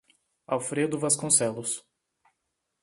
Alfredo Vasconcelos